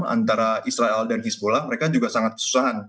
antara israel dan easbola mereka juga sangat kesusahan